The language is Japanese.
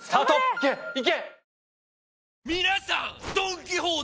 いけいけ！